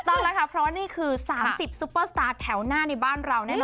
ถูกต้องนะคะเพราะว่านี่คือ๓๐ซุปเปอร์สตาร์ทแถวหน้าในบ้านเรา